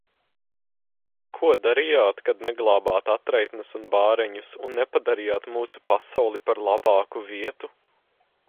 Ko darījāt, kad neglābāt atraitnes un bāreņus, un nepadarījāt mūsu pasauli par labāku vietu?